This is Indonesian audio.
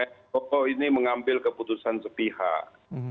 eko ini mengambil keputusan sepihak